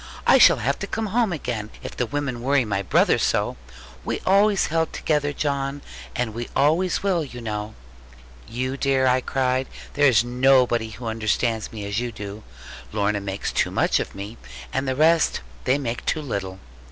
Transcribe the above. I shall have to come home again, if the women worry my brother so. We always held together, John; and we always will, you know.' 'You dear,' I cried, 'there is nobody who understands me as you do. Lorna makes too much of me, and the rest they make too little.'